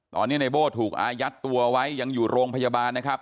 ตอนนี้ในโบ้ถูกอายัดตัวไว้ยังอยู่โรงพยาบาลนะครับ